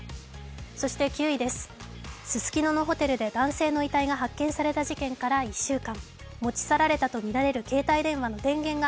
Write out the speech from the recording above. そして９位です、ススキノのホテルで男性の遺体が発見されてから１週間。